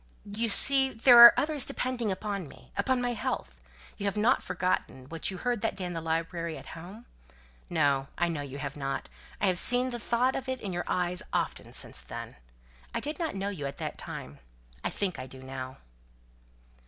"You see, there are others depending upon me upon my health. You haven't forgotten what you heard that day in the library at home? No, I know you haven't. I have seen the thought of it in your eyes often since then. I didn't know you at that time. I think I do now."